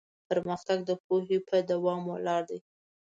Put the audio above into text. پرمختګ د پوهې په دوام ولاړ دی.